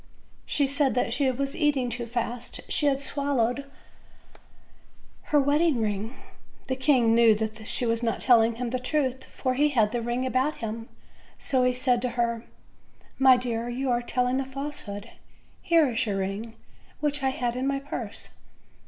She said that eat ing too fast she had swallow 3d her wedding ring. The king knew that she was not telling him the truth, for he had the ring about him, so he said to her: "My dear, you are telling a falsehood; here is your ring, which I had in my purse."